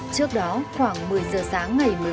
trước đó khoảng một mươi giờ sáng ngày một mươi bảy